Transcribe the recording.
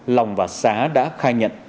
lòng và xá đã khai nhận